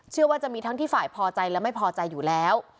ว่าจะมีทั้งที่ฝ่ายพอใจและไม่พอใจอยู่แล้ว